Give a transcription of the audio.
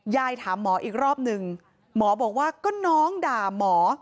ยายถามหมออีกรอบนึงหมอบอกว่าก็น้องด่าหมอ